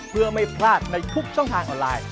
เพื่อไม่พลาดในทุกช่องทางออนไลน์